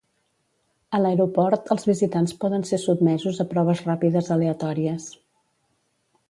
A l’aeroport, els visitants poden ser sotmesos a proves ràpides aleatòries.